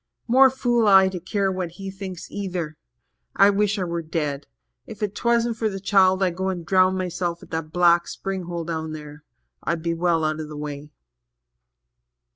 More fool I to care what he thinks either! I wish I were dead. If 'twasn't for the child, I'd go and drown myself at that black spring hole down there I'd be well out of the way."